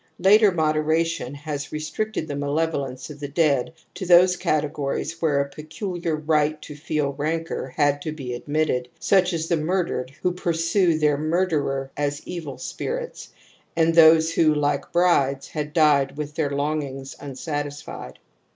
Later njioderation has restricted the malevolence of the dead to those categories where a peculiar right to feel rancour had to be admitted, such as the murdered who pursue their murderer as evil spirits, and those who, Uke brides, had died with their longings unsatisfied.